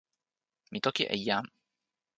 mi toki e jan.